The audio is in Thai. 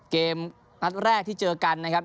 เกมนัดแรกที่เจอกันนะครับ